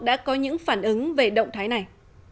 đã có những phản ứng về động thái này